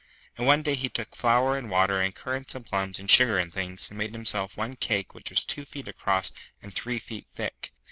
And one day he took flour and water and currants and plums and sugar and things, and made himself one cake which was two feet across and three feet thick.